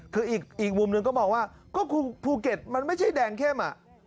คืออีกมุมหนึ่งก็มองว่าก็ภูเก็ตมันไม่ใช่แดงเข้ม